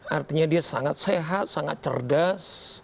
artinya dia sangat sehat sangat cerdas